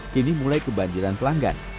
kini mulai kebanjiran pelanggan